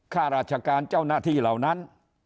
ข้าราชการเจ้าหน้าที่เหล่านั้น